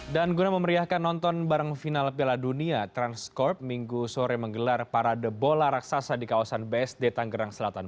dan guna memeriahkan nonton bareng final piala dunia transcorp minggu sore menggelar parade bola raksasa di kawasan bsd tanggerang selatan